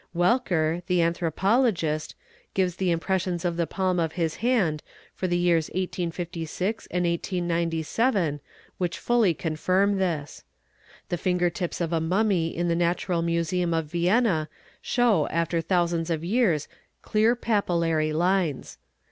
Welker, the anthropologist, gives the impressions of the palm ol his hand for the years 1856 and 1897 which fully confirm this. The finger tips of a mummy in the Natural Museum of Vienna show afte thousands of years clear papillary lines.